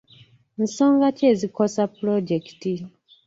Nsonga ki ezikosa pulojekiti?